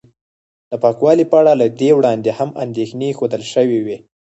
د پاکوالي په اړه له دې وړاندې هم اندېښنې ښودل شوې وې